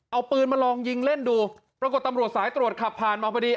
เอาปืนมาลองยิงเล่นดูปรากฏตำรวจสายตรวจขับผ่านมาพอดี